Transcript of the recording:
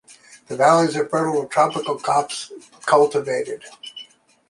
The valley are fertile, with tropical crops cultivated.